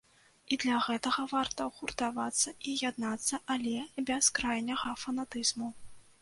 І для гэтага варта гуртавацца і яднацца, але без крайняга фанатызму.